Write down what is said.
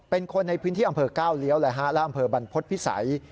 เป็นคนในพื้นที่อำเภอก้าวเลี้ยวเลยฮะและอำเภอบรรพฤษภิษัย